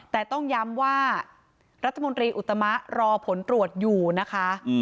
แต่ต้องย้ำว่ารัฐมนตรีอุตมะรอผลตรวจอยู่นะคะ